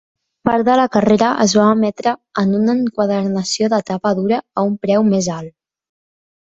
Part de la carrera es va emetre en un enquadernació de tapa dura a un preu més alt.